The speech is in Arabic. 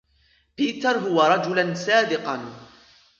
بيتر هو رجلاً صادقاً.